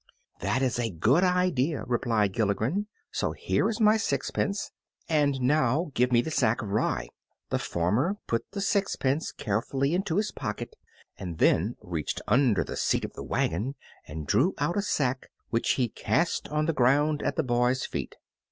"That is a good idea," replied Gilligren, "so here is my sixpence, and now give me the sack of rye." The farmer put the sixpence carefully into his pocket, and then reached under the seat of the wagon and drew out a sack, which he cast on the ground at the boy's feet.